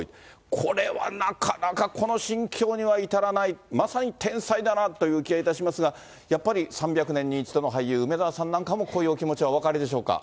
これはなかなか、この心境には至らない、まさに天才だなという気がいたしますが、やっぱり３００年に一度の俳優、梅沢さんなんかもこういうお気持ちはお分かりでしょうか？